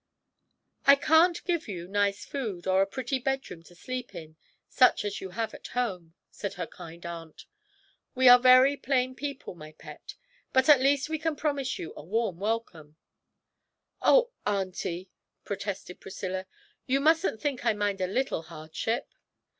'I can't give you nice food, or a pretty bedroom to sleep in such as you have at home,' said her kind aunt. 'We are very plain people, my pet; but at least we can promise you a warm welcome.' 'Oh, auntie,' protested Priscilla, 'you mustn't think I mind a little hardship!